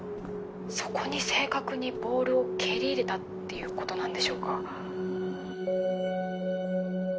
そこに正確にボールを蹴り入れたっていうことなんでしょうか。